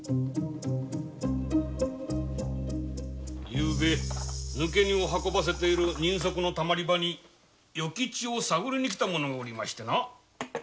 ゆうべ抜け荷を運ばせている人足の溜り場に与吉を探りに来た者がおりましてな。